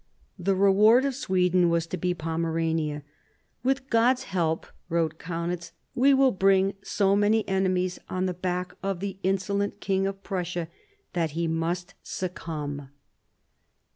The reward of Sweden was to be Pomerania. "With God's help," wrote Kaunitz, "we will bring so many enemies on the back of the insolent King of Prussia that he must succumb."